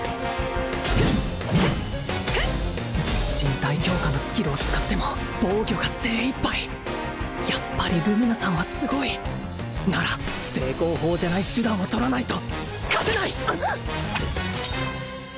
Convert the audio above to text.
身体強化のスキルを使っても防御が精いっぱいやっぱりルミナさんはすごいなら正攻法じゃない手段を取らないと勝てない！